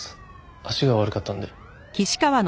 足が悪かったんで。